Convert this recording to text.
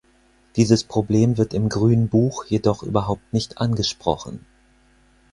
Dieses Problem wird im Grünbuch jedoch überhaupt nicht angesprochen.